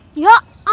tidak ada apa apa